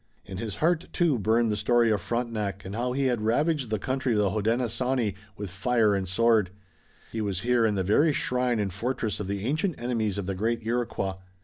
In his heart too burned the story of Frontenac and how he had ravaged the country of the Hodenosaunee with fire and sword. He was here in the very shrine and fortress of the ancient enemies of the great Iroquois.